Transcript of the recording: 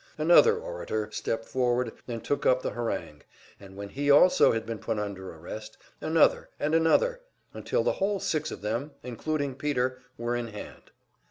Another orator stepped forward and took up the harangue, and when he also had been put under arrest, another, and another, until the whole six of them, including Peter, were in hand.